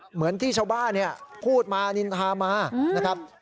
เหมือนที่ชาวบ้านพูดมานินทามานะครับ